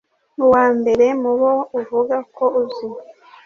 Uwa mbere mu bo uvuga ko uzi